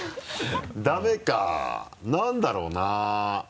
ダメかなんだろうな？